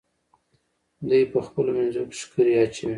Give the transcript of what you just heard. دوی په خپلو منځو کې ښکرې اچوي.